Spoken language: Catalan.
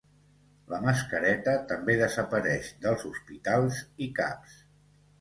La mascareta també desapareix dels hostpitals i Caps